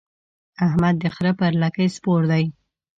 احمد د خره پر لکۍ سپور دی.